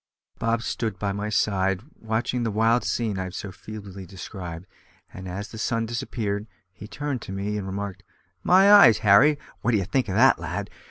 Bob stood by my side watching the wild scene I have so feebly described, and as the sun disappeared, he turned to me and remarked: "My eyes, Harry! what d'ye think of that, lad?